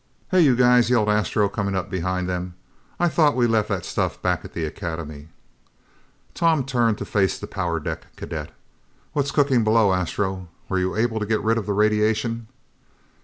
"Hey, you guys!" yelled Astro, coming up behind them. "I thought we left that stuff back at the Academy?" Tom turned to face the power deck cadet. "What's cooking below, Astro? Were you able to get rid of the radiation?"